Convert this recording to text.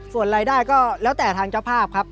ส่วนรายได้ก็แล้วแต่ทางเจ้าภาพครับ